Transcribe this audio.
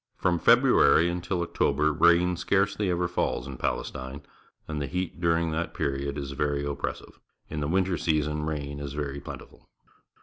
From February until October rain scarcely ever falls in Palestine, and the heat during that period is very oppressive. In the winter season rain is very plentiful.